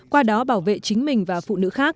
qua đó bảo vệ chính mình và phụ nữ khác